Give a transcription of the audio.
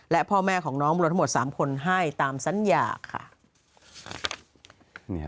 และพ่อแม่ของน้องรวมทั้งหมด๓คนให้ตามสัญญาค่ะ